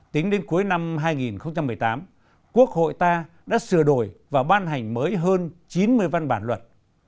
tính đến cuối năm hai nghìn một mươi tám quốc hội ta đã sửa đổi và ban hành mới hơn chín mươi văn bản luật